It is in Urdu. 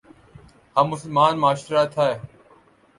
ہم مسلمان معاشرہ تھے۔